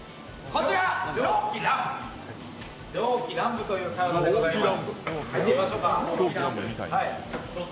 こちら蒸気乱舞というサウナでございます。